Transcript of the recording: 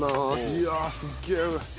いやすげえ。